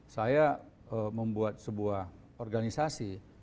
saya membuat sebuah organisasi